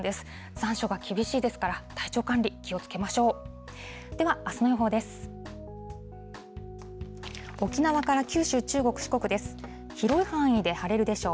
残暑が厳しいですから、体調管理、気をつけましょう。